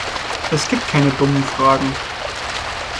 Es gibt keine dummen Fragen.